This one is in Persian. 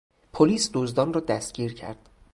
پلیس دزدان را دستگیر کرد.